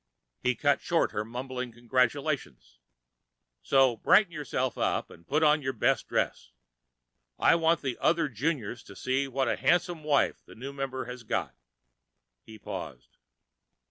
He cut short her mumbled congratulations. "So brighten yourself up and put on your best dress. I want the other Juniors to see what a handsome wife the new member has got." He paused.